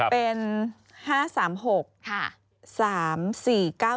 เป็น๕๓๖๓๔๙๔นะคะ